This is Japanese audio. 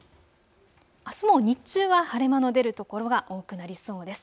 あすも日中は晴れ間の出る所が多くなりそうです。